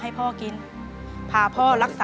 เปลี่ยนเพลงเก่งของคุณและข้ามผิดได้๑คำ